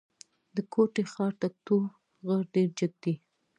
د کوټي ښار تکتو غر ډېر جګ دی.